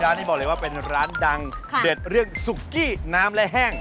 นี้บอกเลยว่าเป็นร้านดังเด็ดเรื่องสุกี้น้ำและแห้ง